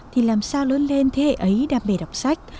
thì làm sao lớn lên thế hệ ấy đam mê đọc sách